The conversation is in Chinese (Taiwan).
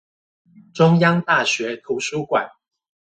中央大學圖書館